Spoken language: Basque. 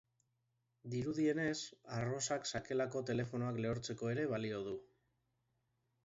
Dirudienez, arrozak sakelako telefonoak lehortzeko ere balio du.